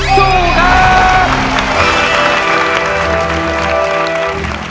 สู้ครับ